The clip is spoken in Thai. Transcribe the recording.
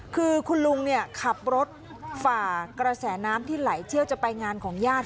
คือคุณลุงขับรถฝ่ากระแสน้ำที่ไหลเชี่ยวจะไปงานของญาติ